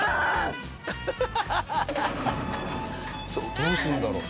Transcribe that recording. どうするんだろう？